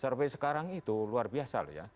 survei sekarang itu luar biasa loh ya